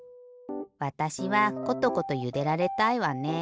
わたしはコトコトゆでられたいわね。